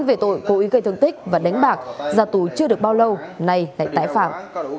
về tội cố ý gây thương tích và đánh bạc ra tù chưa được bao lâu nay lại tái phạm